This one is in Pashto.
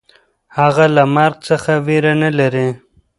هغه له مرګ څخه وېره نهلري.